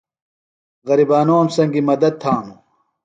غرِبانوم سنگیۡ مدت تھانوۡ۔